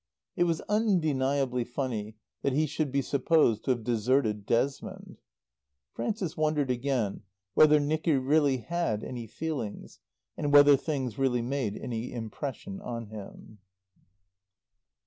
It was undeniably funny that he should be supposed to have deserted Desmond. Frances wondered, again, whether Nicky really had any feelings, and whether things really made any impression on him.